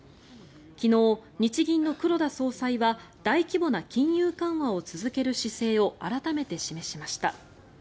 昨日、日銀の黒田総裁は大規模な金融緩和を続ける姿勢を改めて示しました。